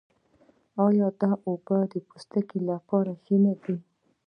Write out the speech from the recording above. آیا دا اوبه د پوستکي لپاره ښې نه دي؟